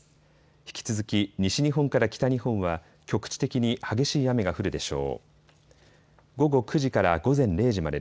引き続き西日本から北日本は局地的に激しい雨が降るでしょう。